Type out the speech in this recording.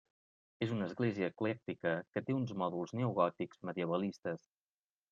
És una església eclèctica que té uns mòduls neogòtics medievalistes.